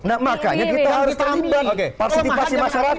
nah makanya kita harus terlibat partisipasi masyarakat